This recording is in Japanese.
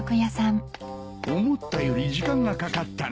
思ったより時間がかかったな。